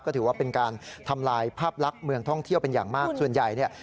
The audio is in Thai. ก็ถือว่าเป็นการทำลายภาพลักษณ์เมืองท่องเที่ยวเป็นอย่างมากส่วนใหญ่เนี่ย